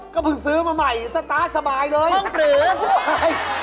ก็เพิ่งซื้อมาใหม่สตาร์ทสบายเลยห้องปรื้ม